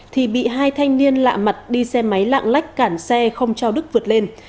thì bị hai thanh niên lạ mặt đi xe máy lạng lách cản xe không cho đức vượt lên